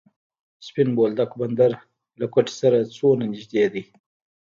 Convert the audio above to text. سپین بولدک بندر له کویټې سره څومره نږدې دی؟